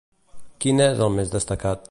Quin és el més destacat?